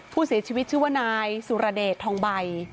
ผู้เสียชีวิตชื่อว่านายสุรเดชทองใบ